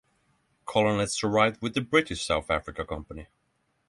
colonists arrived with the British South Africa Company.